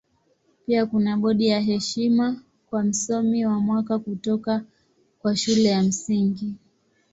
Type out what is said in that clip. Pia kuna bodi ya heshima kwa Msomi wa Mwaka kutoka kwa Shule ya Msingi.